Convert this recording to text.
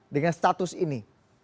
dengan status ini